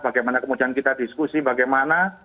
bagaimana kemudian kita diskusi bagaimana